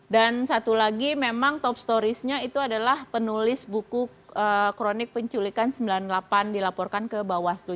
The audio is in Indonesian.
dan satu lagi memang top storiesnya itu adalah penulis buku kronik penculikan sembilan puluh delapan dilaporkan ke bawaslu